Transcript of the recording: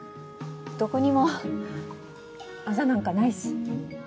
どこにもアザなんかないし。